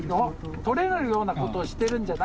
取れないようなことをしているんじゃあない。